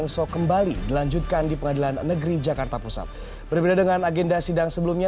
sampai jumpa di sampai jumpa di sampai jumpa